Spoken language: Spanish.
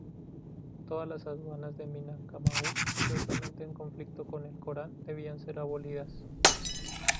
Todas las aduanas de Minangkabau supuestamente en conflicto con el Corán debían ser abolidas.